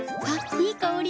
いい香り。